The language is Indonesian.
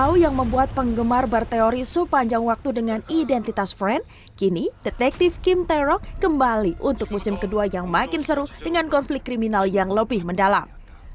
setelah menemukan pintu yang mengejar teori sepanjang waktu dengan identitas fren kini detektif kim tae rok kembali untuk musim kedua yang makin seru dengan konflik kriminal yang lebih mendalam